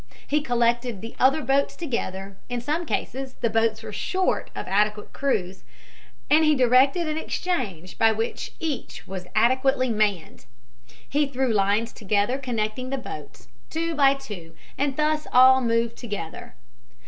He collected the other boats together, in some cases the boats were short of adequate crews, and he directed an exchange by which each was adequately manned. He threw lines connecting the boats together, two by two, and thus all moved together.